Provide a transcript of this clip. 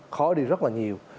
khó đi rất là nhiều